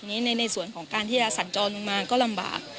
ในส่วนของการที่จะสัญจรลงมาก็ลำบาก